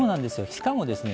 しかもですね